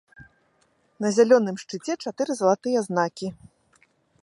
На зялёным шчыце чатыры залатыя знакі.